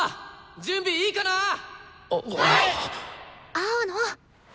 青野！